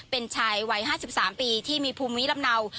เป็นชายวัย๕๓ปีที่มีภูมิลำเนา